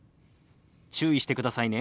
注意してくださいね。